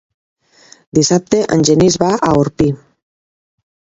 Dissabte en Genís va a Orpí.